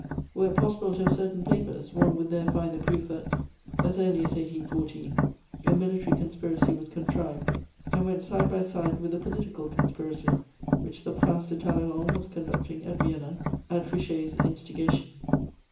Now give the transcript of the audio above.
Were it possible to have certain papers, one would there find the proof that, as early as 1814, a military conspiracy was contrived and went side by side with the political conspiracy which the Prince de Talleyrand was conducting at Vienna, at Fouché's instigation.